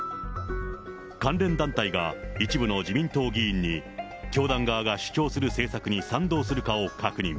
関連団体が一部の自民党議員に教団側が主張する政策に賛同するかを確認。